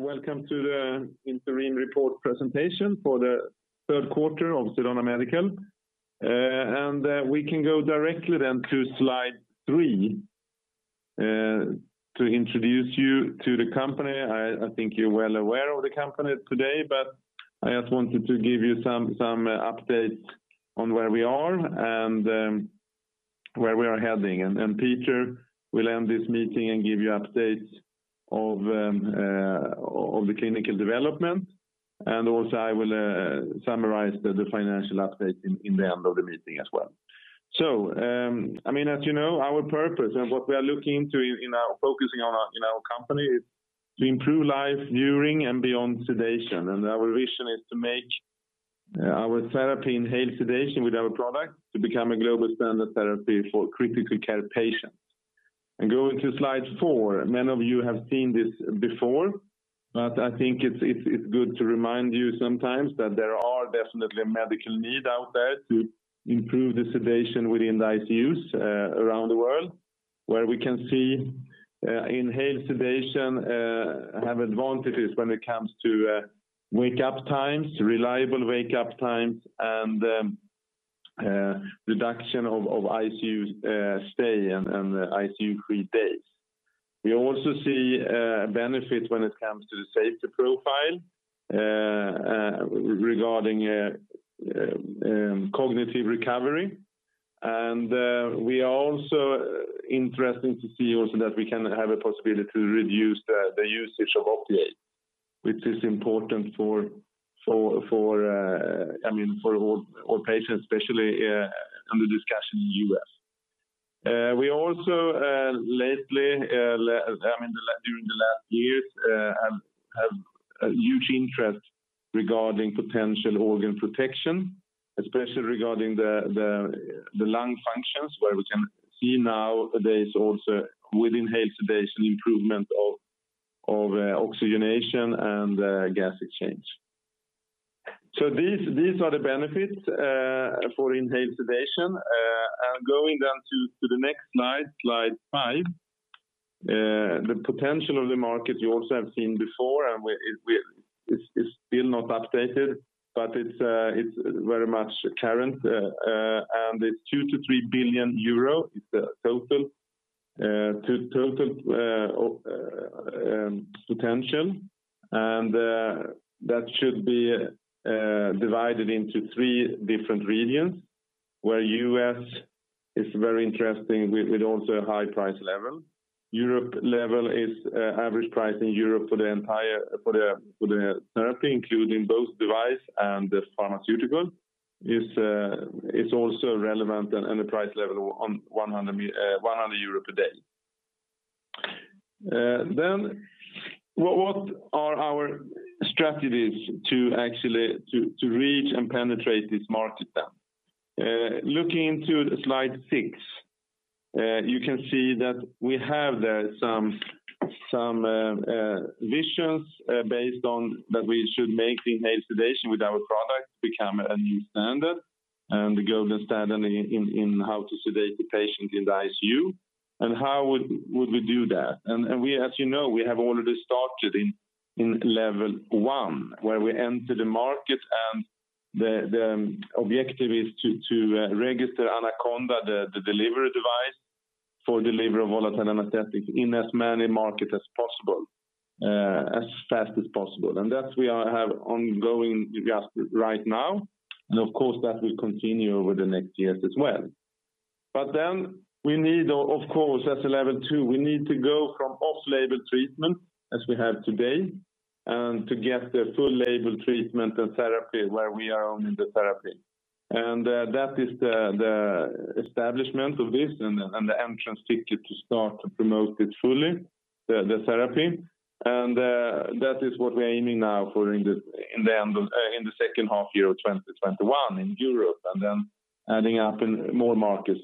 Welcome to the interim report presentation for the third quarter of Sedana Medical. We can go directly then to slide three to introduce you to the company. I think you're well aware of the company today, but I just wanted to give you some updates on where we are and where we are heading. Peter will end this meeting and give you updates of the clinical development. Also I will summarize the financial update in the end of the meeting as well. As you know, our purpose and what we are looking into in our focusing on in our company is to improve life during and beyond sedation. Our vision is to make our therapy, inhaled sedation with our product, to become a global standard therapy for critical care patients. Going to slide four. Many of you have seen this before, I think it's good to remind you sometimes that there are definitely medical need out there to improve the sedation within ICUs around the world. Where we can see inhaled sedation have advantages when it comes to reliable wake-up times and reduction of ICU stay and ICU-free days. We also see benefits when it comes to the safety profile regarding cognitive recovery. We are also interested to see also that we can have a possibility to reduce the usage of opiates, which is important for all patients, especially under discussion in the U.S. We also lately, during the last years, have a huge interest regarding potential organ protection, especially regarding the lung functions where we can see now there is also, with inhaled sedation, improvement of oxygenation and gas exchange. These are the benefits for inhaled sedation. Going down to the next slide five. The potential of the market you also have seen before, and it's still not updated, but it's very much current. It's 2 billion-3 billion euro is the total potential. That should be divided into three different regions where U.S. is very interesting with also a high price level. Europe level is average price in Europe for the therapy, including both device and the pharmaceutical. It's also relevant and the price level on 100 euro per day. What are our strategies to actually reach and penetrate this market then? Looking into slide six. You can see that we have there some visions based on that we should make the inhaled sedation with our product become a new standard and the golden standard in how to sedate the patient in the ICU. How would we do that? We, as you know, we have already started in level 1 where we enter the market and the objective is to register AnaConDa, the delivery device, for delivery of volatile anesthetic in as many markets as possible, as fast as possible. That we have ongoing just right now. Of course that will continue over the next years as well. We need, of course, as a Level 2, we need to go from off-label treatment as we have today, and to get the full label treatment and therapy where we own the therapy. That is the establishment of this and the entrance ticket to start to promote it fully, the therapy. That is what we are aiming now for in the second half year of 2021 in Europe, and then adding up in more markets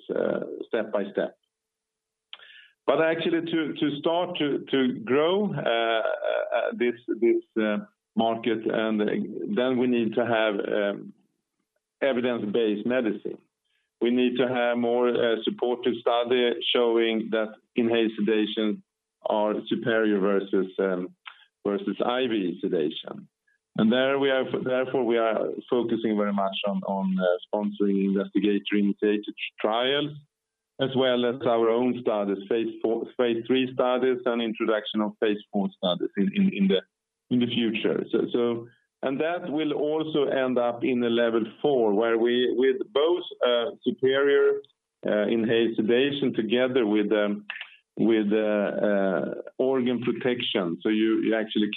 step by step. Actually to start to grow this market, we need to have evidence-based medicine. We need to have more supportive study showing that inhaled sedation are superior versus IV sedation. Therefore, we are focusing very much on sponsoring investigator-initiated trials, as well as our own studies, phase III studies, and introduction of phase IV studies in the future. That will also end up in the Level 4, with both superior inhaled sedation together with organ protection. You actually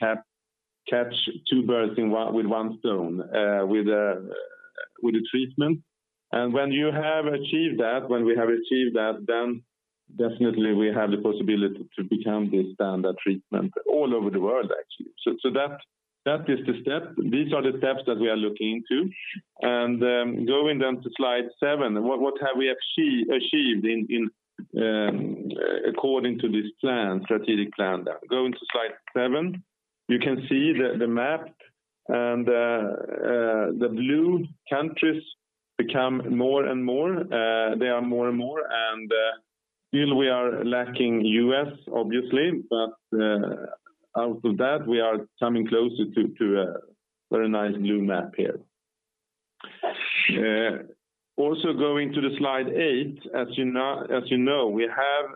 catch two birds with one stone with the treatment. When you have achieved that, when we have achieved that, definitely we have the possibility to become the standard treatment all over the world, actually. These are the steps that we are looking into. Going down to slide seven, what have we achieved according to this strategic plan there. Going to slide seven. You can see the map and the blue countries become more and more. They are more and more, still we are lacking U.S., obviously. Out of that, we are coming closer to a very nice new map here. Also going to slide eight. As you know, we have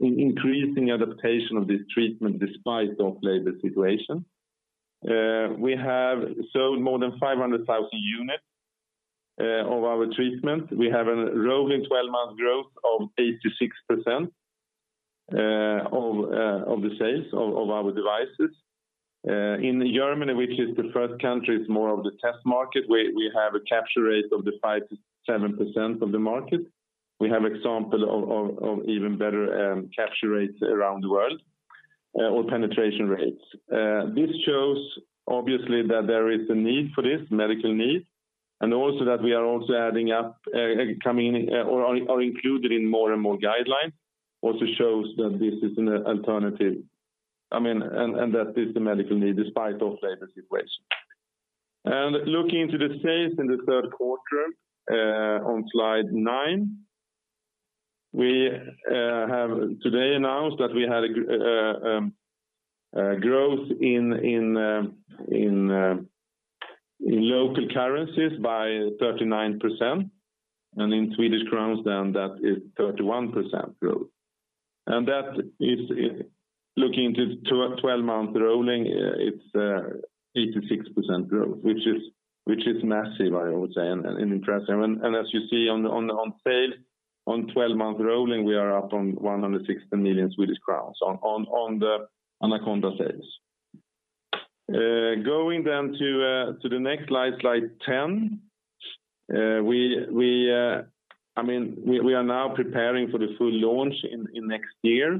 increasing adaptation of this treatment despite off-label situation. We have sold more than 500,000 units of our treatment. We have a rolling 12-month growth of 86% of the sales of our devices. In Germany, which is the first country, it's more of the test market, we have a capture rate of 5%-7% of the market. We have examples of even better capture rates around the world, or penetration rates. This shows obviously that there is a medical need for this, and also that we are included in more and more guidelines. Shows that this is an alternative and that there's a medical need despite off-label situation. Looking into the sales in the third quarter on slide nine. We have today announced that we had a growth in local currencies by 39%, in Swedish crowns, that is 31% growth. That is looking to 12-month rolling, it's 86% growth, which is massive, I would say, and impressive. As you see on sales, on 12-month rolling, we are up on 116 million Swedish crowns on the AnaConDa sales. Going to the next slide 10. We are now preparing for the full launch next year,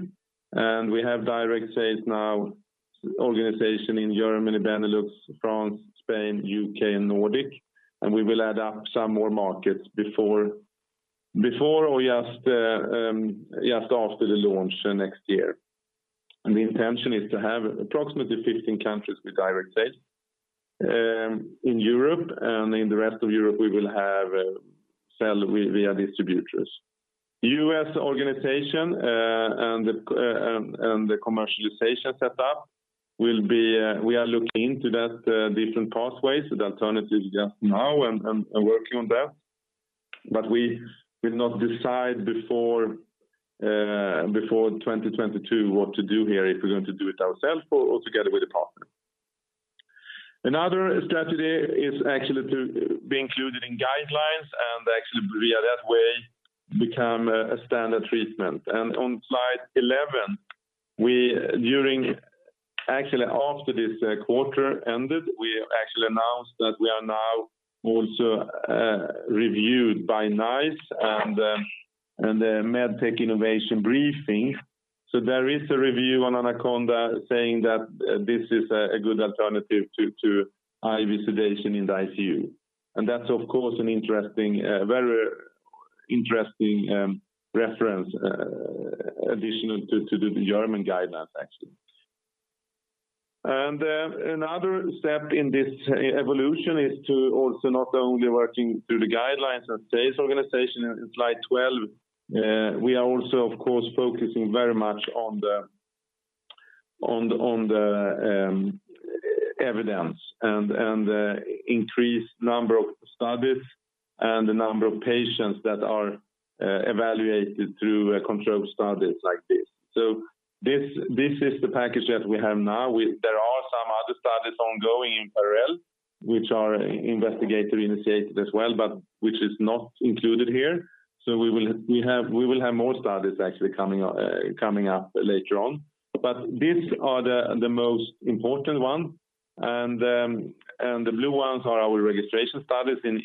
we have direct sales now, organization in Germany, Benelux, France, Spain, U.K., and Nordic, we will add up some more markets before or just after the launch next year. The intention is to have approximately 15 countries with direct sales in Europe, and in the rest of Europe, we will sell via distributors. U.S. organization and the commercialization setup, we are looking into that, different pathways, the alternatives just now, and working on that. We will not decide before 2022 what to do here, if we're going to do it ourselves or together with a partner. Another strategy is actually to be included in guidelines and actually via that way, become a standard treatment. On slide 11, after this quarter ended, we announced that we are now also reviewed by NICE and the Medtech Innovation Briefing. There is a review on AnaConDa saying that this is a good alternative to IV sedation in the ICU. That's, of course, a very interesting reference, additional to the German guidelines, actually. Another step in this evolution is to also not only working through the guidelines and sales organization in slide 12. We are also, of course, focusing very much on the evidence and the increased number of studies and the number of patients that are evaluated through controlled studies like this. This is the package that we have now. There are some other studies ongoing in parallel which are investigator-initiated as well, but which is not included here. We will have more studies actually coming up later on. These are the most important ones. The blue ones are our registration studies in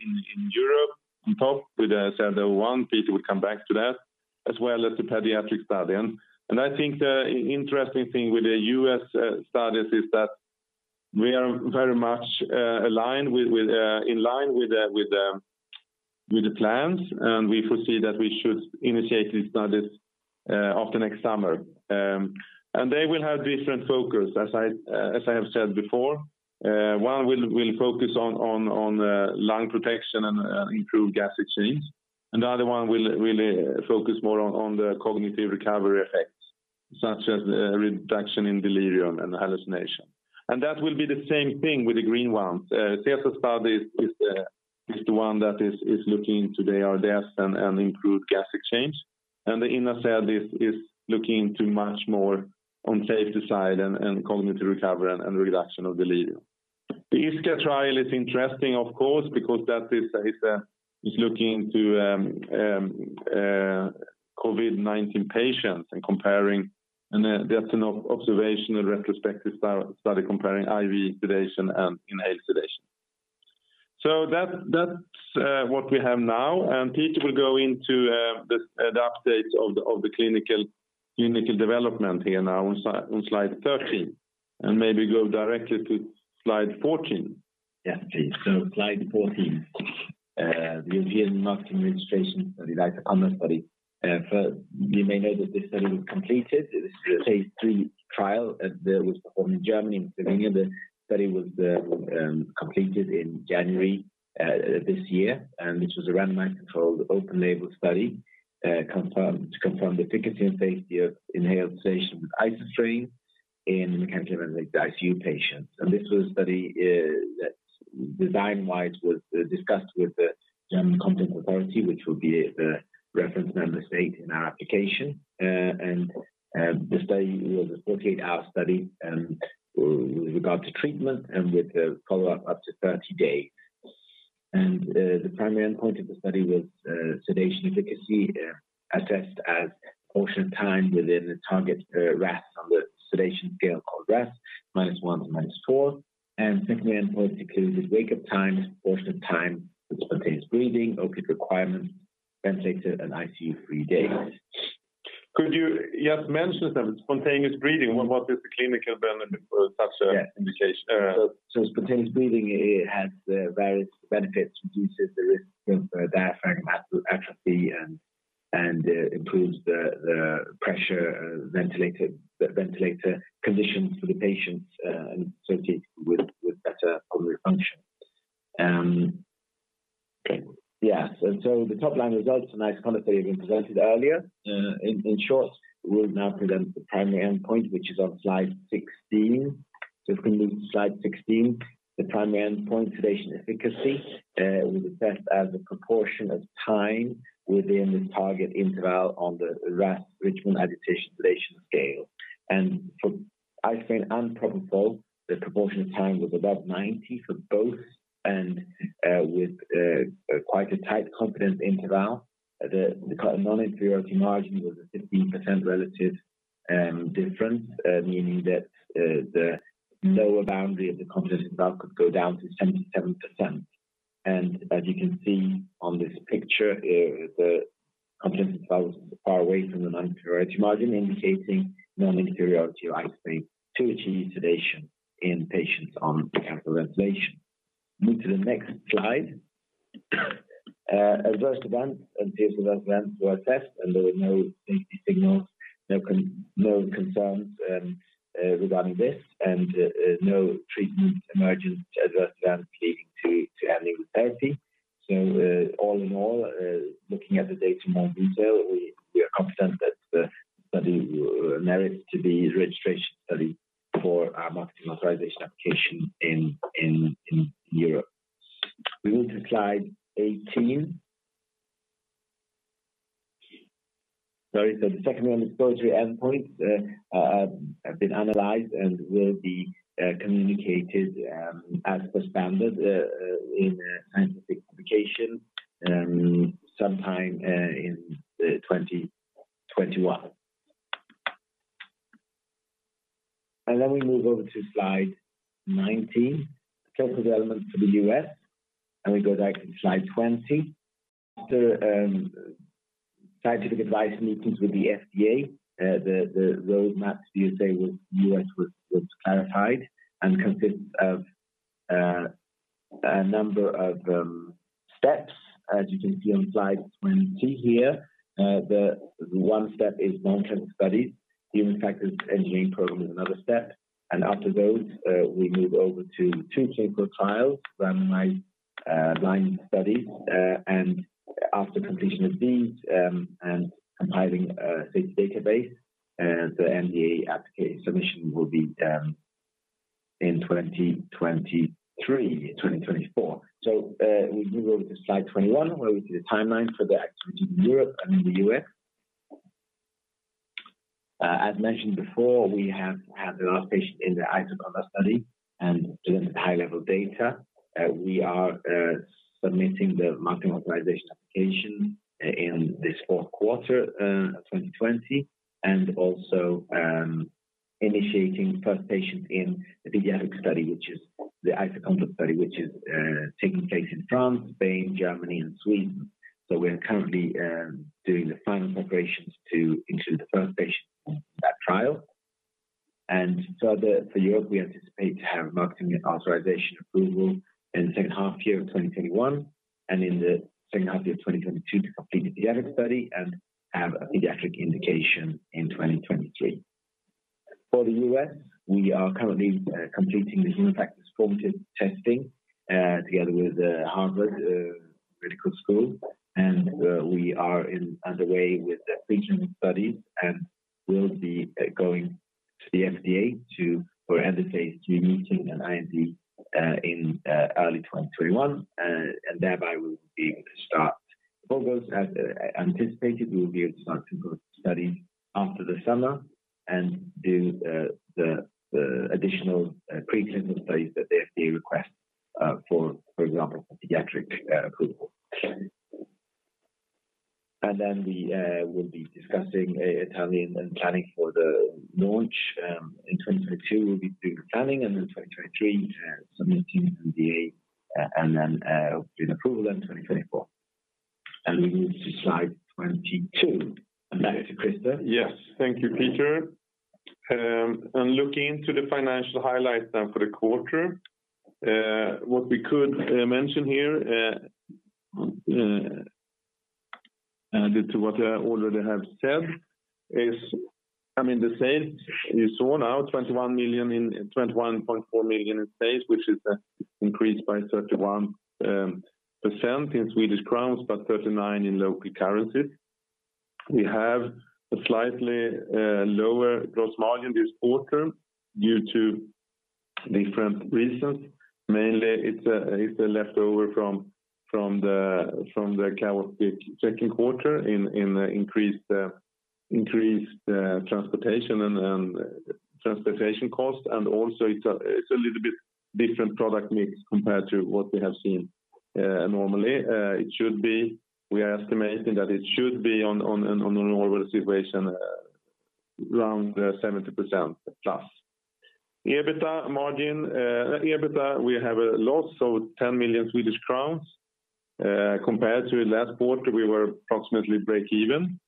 Europe on top with the SED-001. Peter will come back to that, as well as the pediatric study. I think the interesting thing with the U.S. studies is that we are very much in line with the plans, and we foresee that we should initiate these studies after next summer. They will have different focus, as I have said before. One will focus on lung protection and improve gas exchange. Another one will really focus more on the cognitive recovery effects, such as reduction in delirium and hallucination. That will be the same thing with the green ones. SESAR study is the one that is looking into the ARDS and improved gas exchange. The INNOSED is looking much more on safety side and cognitive recovery and reduction of delirium. The ISCA trial is interesting, of course, because that is looking into COVID-19 patients and that's an observational retrospective study comparing IV sedation and inhaled sedation. That's what we have now. Peter will go into the updates of the clinical development here now on slide 13, and maybe go directly to slide 14. Yeah, please. Slide 14, the European marketing registration study, the IsoCOMFORT study. First, you may know that this study was completed. It was a phase III trial that was performed in Germany and Slovenia. The study was completed in January this year, which was a randomized, controlled open-label study to confirm the efficacy and safety of inhaled sedation with isoflurane in mechanically ventilated ICU patients. This was a study that, design-wise, was discussed with the German competent authority, which will be the reference member state in our application. The study was a 48-hour study with regard to treatment and with a follow-up up to 30 days. The primary endpoint of the study was sedation efficacy, assessed as portion of time within the target RASS on the sedation scale called RASS, minus one to minus four. Secondary endpoints included wake-up time, portion of time with spontaneous breathing, opioid requirements, ventilator, and ICU-free days. Could you just mention the spontaneous breathing? What is the clinical benefit for such an indication? Spontaneous breathing has various benefits, reduces the risk of diaphragm atrophy, and improves the pressure ventilator conditions for the patients and associated with better pulmonary function. The top-line results from IsoCOMFORT study have been presented earlier. In short, we will now present the primary endpoint, which is on slide 16. If we move to slide 16, the primary endpoint, sedation efficacy, was assessed as a proportion of time within the target interval on the RASS, Richmond Agitation-Sedation Scale. For isoflurane and propofol, the proportion of time was above 90 for both and with quite a tight confidence interval. The non-inferiority margin was a 15% relative difference, meaning that the lower boundary of the confidence interval could go down to 77%. As you can see on this picture, the confidence interval is far away from the non-inferiority margin, indicating non-inferiority of isoflurane to achieve sedation in patients on mechanical ventilation. Move to the next slide. Adverse events and serious adverse events were assessed, and there were no safety signals, no concerns regarding this, and no treatment-emergent adverse events leading to ending the study. All in all, looking at the data in more detail, we are confident that the study merits to be a registration study for our marketing authorization application in Europe. We move to slide 18. Sorry, the secondary and tertiary endpoints have been analyzed and will be communicated as per standard in a scientific publication sometime in 2021. We move over to slide 19. Clinical development for the U.S., and we go back to slide 20. After scientific advice meetings with the FDA, the roadmap to the U.S. was clarified and consists of a number of steps. As you can see on slide 20 here, the one step is non-clinical studies. Human factors engineering program is another step. After those, we move over to two clinical trials, randomized, blinded studies. After completion of these and compiling a safety database, the NDA application submission will be in 2023 or 2024. We move over to slide 21, where we see the timeline for the activities in Europe and in the U.S. As mentioned before, we have had the last patient in the IsoCOMFORT study and delivered the high-level data. We are submitting the marketing authorization application in this fourth quarter of 2020 and also initiating first patients in the pediatric study, which is the IsoCOMFORT study, which is taking place in France, Spain, Germany, and Sweden. We are currently doing the final preparations to include the first patient in that trial. For Europe, we anticipate to have marketing authorization approval in the second half year of 2021 and in the second half year of 2022 to complete the pediatric study and have a pediatric indication in 2023. For the U.S., we are currently completing the human factors formative testing together with Harvard Medical School, and we are underway with the preclinical studies and will be going to the FDA for an end-of-phase II meeting and IND in early 2021. Thereby, we will be able to start. All goes as anticipated, we will be able to start clinical studies after the summer and do the additional preclinical studies that the FDA requests, for example, for pediatric approval. We will be discussing, planning for the launch. In 2022, we'll be doing the planning, and in 2023, submitting NDA, and then hopefully an approval in 2024. We move to slide 22. Back to Christer. Yes. Thank you, Peter. Looking into the financial highlights then for the quarter, what we could mention here, added to what I already have said is, the sales is so now 21.4 million in sales, which is increased by 31% in Swedish Krona, but 39% in local currency. We have a slightly lower gross margin this quarter due to different reasons. Mainly it's a leftover from the chaotic second quarter in increased transportation and transportation cost. Also it's a little bit different product mix compared to what we have seen normally. We are estimating that it should be on a normal situation around 70%+. EBITDA we have a loss, 10 million Swedish crowns. Compared to last quarter, we were approximately breakeven.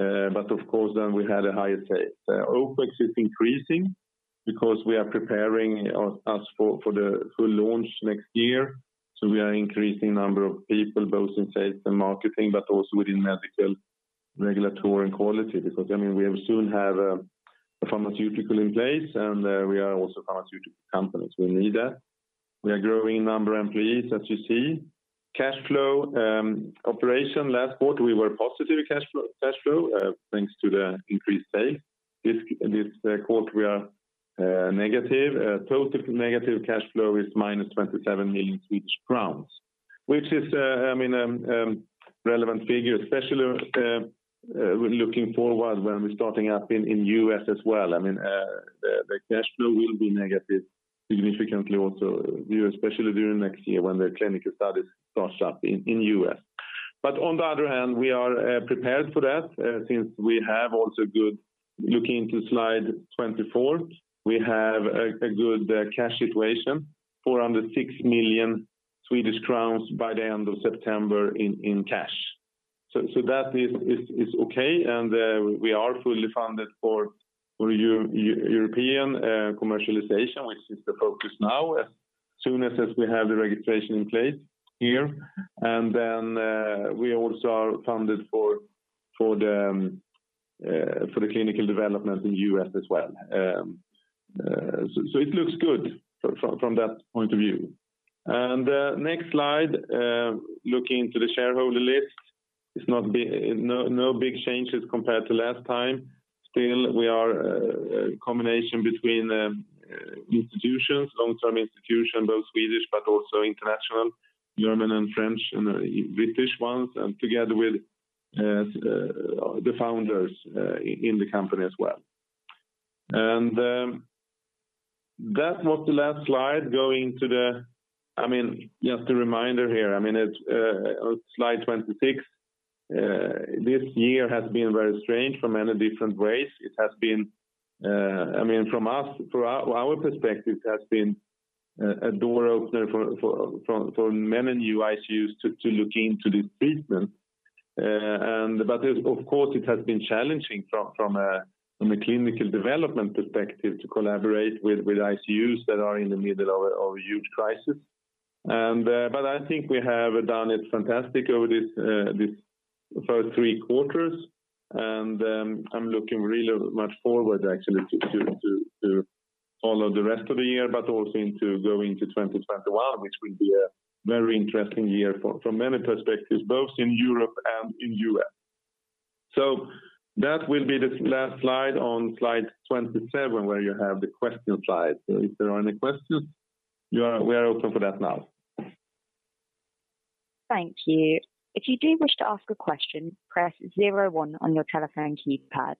Of course then we had a higher sale. OPEX is increasing because we are preparing us for the full launch next year. We are increasing number of people both in sales and marketing, but also within medical regulatory and quality. We will soon have a pharmaceutical in place, and we are also pharmaceutical companies. We need that. We are growing in number of employees as you see. Cash flow operation last quarter, we were positive cash flow thanks to the increased sale. This quarter we are negative. Total negative cash flow is -27 million Swedish crowns, which is a relevant figure, especially looking forward when we're starting up in U.S. as well. The cash flow will be negative significantly also, especially during next year when the clinical studies start up in U.S. Looking into slide 24, we have a good cash situation, 406 million Swedish crowns by the end of September in cash. That is okay, and we are fully funded for European commercialization, which is the focus now, as soon as we have the registration in place here. We also are funded for the clinical development in U.S. as well. It looks good from that point of view. Next slide, looking to the shareholder list. No big changes compared to last time. Still we are a combination between institutions, long-term institution, both Swedish but also international, German and French and British ones, and together with the founders in the company as well. That was the last slide. Just a reminder here, slide 26. This year has been very strange for many different ways. From our perspective, it has been a door opener for many new ICUs to look into this treatment. Of course, it has been challenging from a clinical development perspective to collaborate with ICUs that are in the middle of a huge crisis. I think we have done it fantastic over these first three quarters. I'm looking really much forward actually to follow the rest of the year, but also into going to 2021, which will be a very interesting year from many perspectives, both in Europe and in U.S. That will be the last slide on slide 27, where you have the question slide. If there are any questions, we are open for that now. Thank you. If you do wish to ask a question, press zero one on your telephone keypad.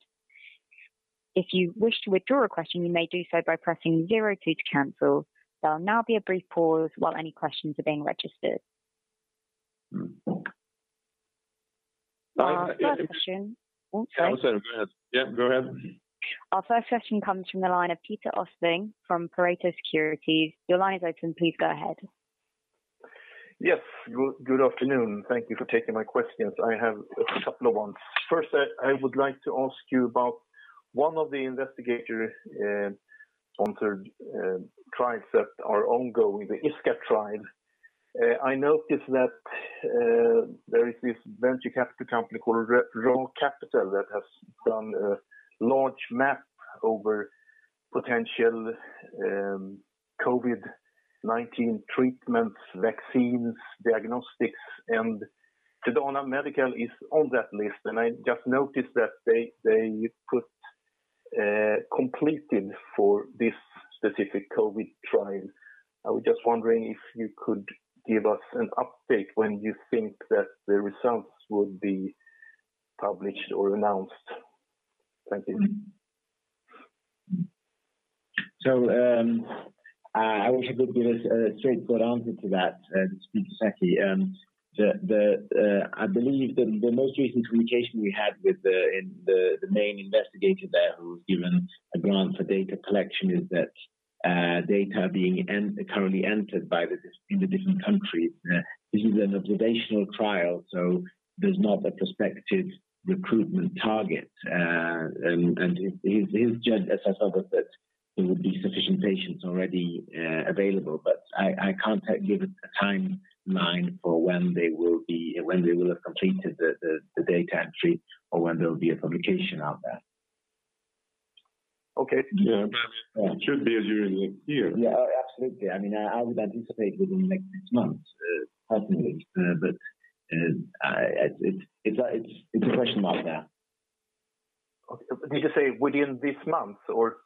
If you wish to withdraw a question, you may do so by pressing zero two to cancel. There will now be a brief pause while any questions are being registered. Our first question. I'm sorry. Go ahead. Yeah, go ahead. Our first question comes from the line of Peter Östling from Pareto Securities. Your line is open, please go ahead. Yes. Good afternoon. Thank you for taking my questions. I have a couple of ones. First, I would like to ask you about one of the investigator-sponsored trials that are ongoing, the ISCA trial. I noticed that there is this venture capital company called RA Capital that has done a large map over potential COVID-19 treatments, vaccines, diagnostics, and Sedana Medical is on that list. I just noticed that they put completed for this specific COVID trial. I was just wondering if you could give us an update when you think that the results would be published or announced. Thank you. I wish I could give a straightforward answer to that. I believe the most recent communication we had with the main investigator there who was given a grant for data collection is that data being currently entered in the different countries. This is an observational trial, so there's not a prospective recruitment target. His gist, as I thought, was that there would be sufficient patients already available. I can't give a timeline for when they will have completed the data entry or when there'll be a publication out there. Okay. Yeah. It should be during the year. Yeah, absolutely. I would anticipate within the next six months, hopefully. It's a question mark there. Did you say within this month or?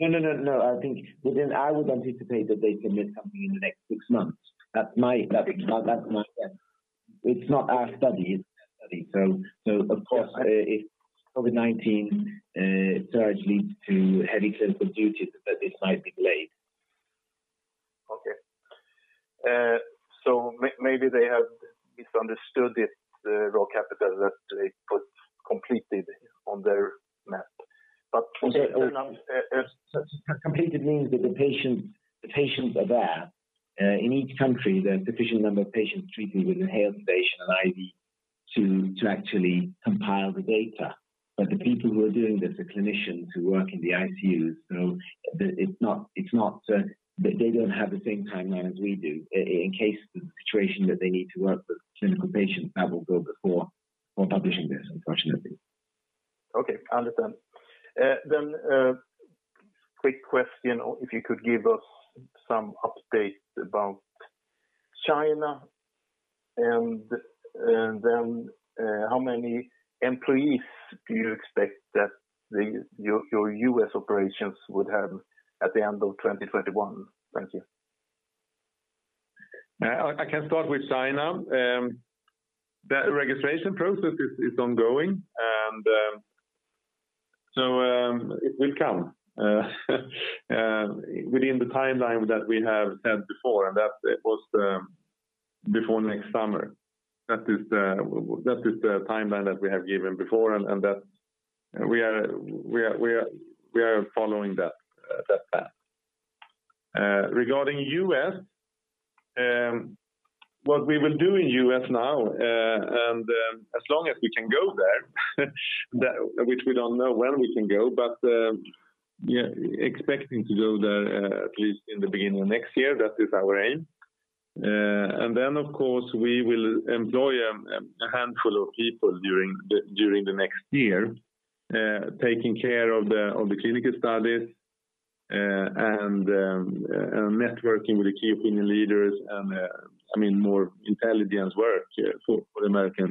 No, I think I would anticipate that they submit something in the next six months. Okay That's my guess. It's not our study. Of course, if COVID-19 surge leads to heavy clinical duties, that this might be late. Maybe they have misunderstood it, the RA Capital that they put completed on their map. Completed means that the patients are there. In each country, there are sufficient number of patients treated with inhaled sedation and IV to actually compile the data. The people who are doing this are clinicians who work in the ICUs, so they don't have the same timeline as we do. In case the situation that they need to work with clinical patients, that will go before publishing this, unfortunately. Okay. Understand. Quick question, if you could give us some updates about China, and then how many employees do you expect that your U.S. operations would have at the end of 2021? Thank you. I can start with China. The registration process is ongoing, so it will come within the timeline that we have said before, and that it was before next summer. That is the timeline that we have given before, and we are following that path. Regarding U.S., what we will do in U.S. now, and as long as we can go there, which we don't know when we can go, but expecting to go there at least in the beginning of next year. That is our aim. Then, of course, we will employ a handful of people during the next year, taking care of the clinical studies and networking with the key opinion leaders and more intelligence work for the American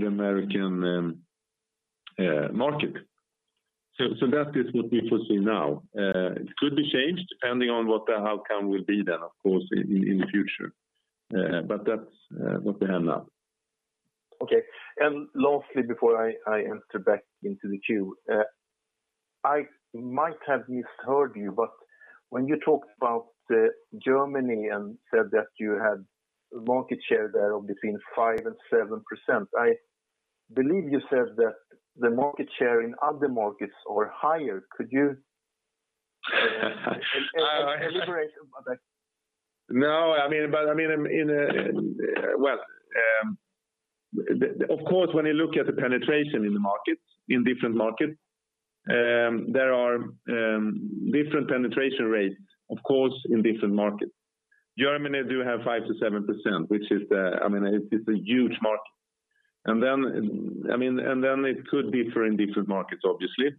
market. That is what we foresee now. It could be changed depending on what the outcome will be then, of course, in the future. That's what we have now. Okay. Lastly, before I enter back into the queue. I might have misheard you, but when you talked about Germany and said that you had market share there of between 5% and 7%, I believe you said that the market share in other markets are higher. Could you elaborate about that? No. Well, of course, when you look at the penetration in different markets, there are different penetration rates, of course, in different markets. Germany do have 5%-7%, which is a huge market. It could differ in different markets, obviously.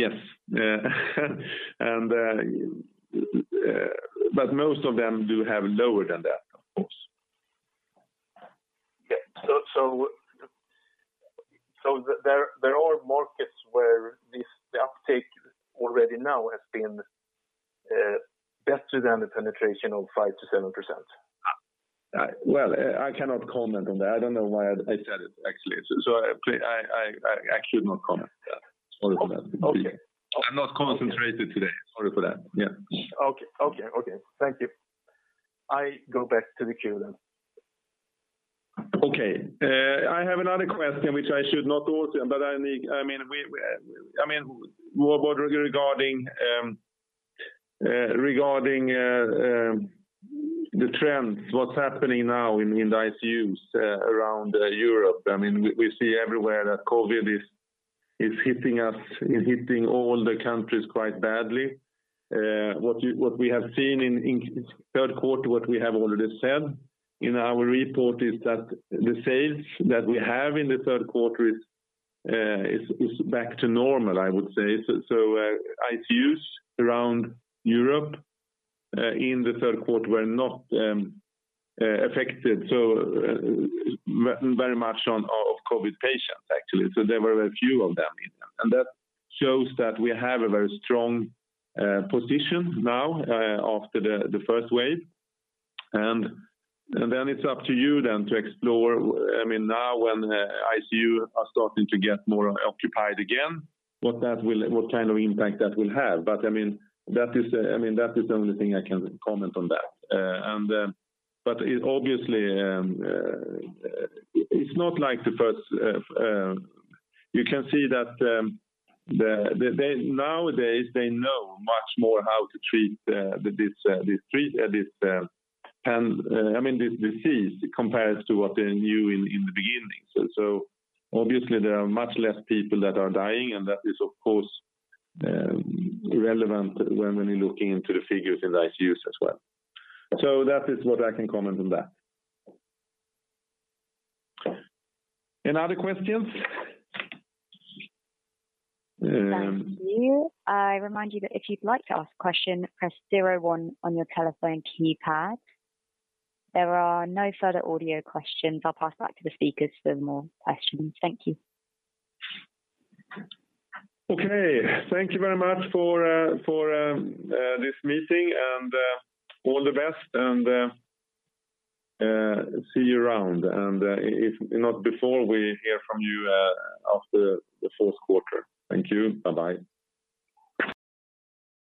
Yes. Most of them do have lower than that, of course. Yeah. There are markets where the uptake already now has been better than the penetration of 5%-7%? Well, I cannot comment on that. I don't know why I said it, actually. I should not comment on that. Sorry for that. Okay. I'm not concentrated today. Sorry for that. Yeah. Okay. Thank you. I go back to the queue then. I have another question which I should not answer, but only regarding the trends, what's happening now in the ICUs around Europe. We see everywhere that COVID-19 is hitting all the countries quite badly. What we have seen in third quarter, what we have already said in our report is that the sales that we have in the third quarter is back to normal, I would say. ICUs around Europe in the third quarter were not affected very much of COVID-19 patients, actually. There were a few of them in them. That shows that we have a very strong position now after the first wave. It's up to you then to explore now when ICU are starting to get more occupied again, what kind of impact that will have. That is the only thing I can comment on that. Obviously, it's not like the first. You can see that nowadays, they know much more how to treat this disease compared to what they knew in the beginning. Obviously, there are much less people that are dying, and that is, of course, relevant when you're looking into the figures in the ICUs as well. That is what I can comment on that. Any other questions? Thank you. I remind you that if you'd like to ask a question, press zero one on your telephone keypad. There are no further audio questions. I'll pass back to the speakers for more questions. Thank you. Okay. Thank you very much for this meeting, and all the best, and see you around. If not, before we hear from you after the fourth quarter. Thank you. Bye-bye.